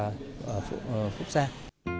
một bản trường học phúc giang